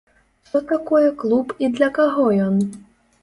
Што такое клуб і для каго ён?